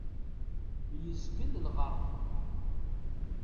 Yezgel lɣerḍ.